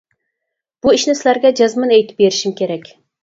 بۇ ئىشنى سىلەرگە جەزمەن ئېيتىپ بېرىشىم كېرەك.